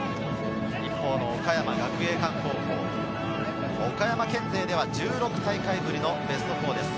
岡山学芸館高校、岡山県勢では１６大会ぶりのベスト４です。